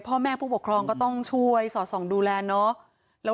พ่อแม่ผู้ปกครองก็ต้องช่วยสอดส่องดูแลเนาะ